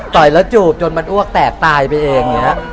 ต่อยแล้วจูบจนมันอ้วกแตกตายไปเองอย่างนี้